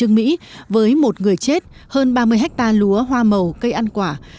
giao cho cháu